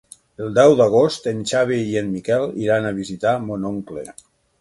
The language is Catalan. El deu d'agost en Xavi i en Miquel iran a visitar mon oncle.